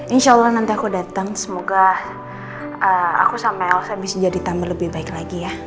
insya allah nanti aku datang semoga aku sampai alsa bisa jadi tambah lebih baik lagi ya